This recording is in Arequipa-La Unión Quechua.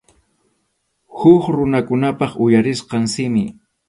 Huk runakunapa uyarisqan simi.